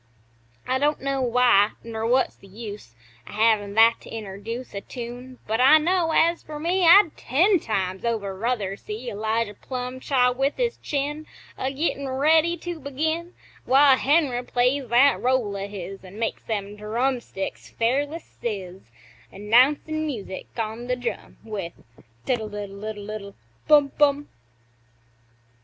I don't know why, ner what's the use O' havin' that to interduce A tune but I know, as fer me I'd ten times over ruther see Elijah Plumb chaw with his chin, A gettin' ready to begin, While Henry plays that roll o' his An' makes them drumsticks fairly sizz, Announcin' music, on th' drum, With "Tiddle iddle iddle iddle Bum Bum!"